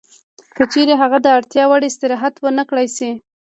که چېرې هغه د اړتیا وړ استراحت ونه کړای شي